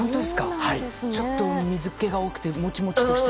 ちょっと水気が多くてもちもちとした。